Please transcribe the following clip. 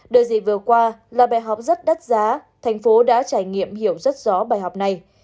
đợt dịch vừa qua là bài học rất đắt giá tp hcm đã trải nghiệm hiểu rất rõ bài học này